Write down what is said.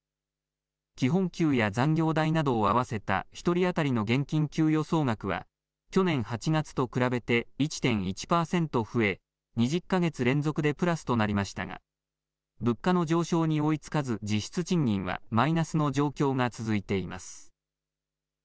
基本給や残業代などを合わせた１人当たりの現金給与総額は去年８月と比べて１．１％増え２０か月連続でプラスとなりましたが物価の上昇に追いつかず実質賃金はマイナスの状況が続いています。